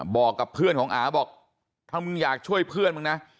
บอกกับเพื่อนของอาบอกถ้ามึงอยากช่วยเพื่อนมึงนะ